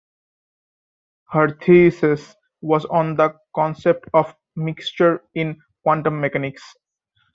Her thesis was on the concept of mixture in quantum mechanics.